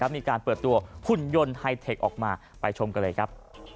มีการเปิดตัวหุ่นยนต์ไฮเทคออกมาไปชมกันเลยครับ